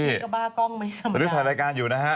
พี่ก็บ้ากล้องไม่สำนักแต่พี่ถ่ายรายการอยู่นะฮะ